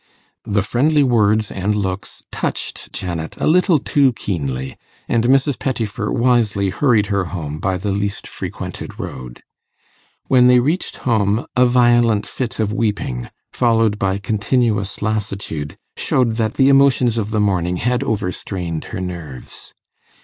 The friendly words and looks touched Janet a little too keenly, and Mrs. Pettifer wisely hurried her home by the least frequented road. When they reached home, a violent fit of weeping, followed by continuous lassitude, showed that the emotions of the morning had overstrained her nerves.